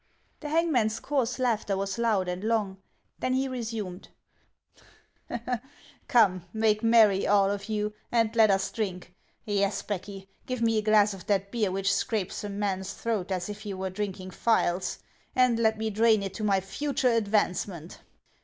The hangman's coarse laughter was loud and long ; then he resumed :" Come, make merry, all of you, and let us drink. Yes, Becky, give me a glass of that beer which scrapes a man's throat as if he were drinking files, and let me drain it to my future advancement.